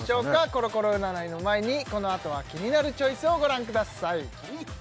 コロコロ占いの前にこの後は「キニナルチョイス」をご覧ください